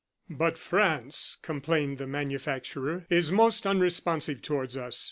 "But France," complained the manufacturer, "is most unresponsive towards us.